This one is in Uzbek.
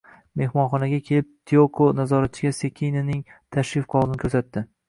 Mehmonxonaga kelib Tiyoko nazoratchiga Sekining tashrif qog`ozini ko`rsatdi